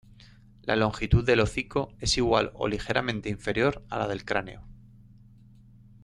La longitud del hocico es igual o ligeramente inferior a la del cráneo.